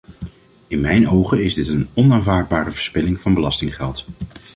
In mijn ogen is dit een onaanvaardbare verspilling van belastinggeld.